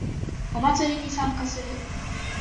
お祭りに参加する